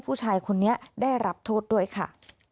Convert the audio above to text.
ผู้ชายคนนี้ได้รับโทษด้วยค่ะ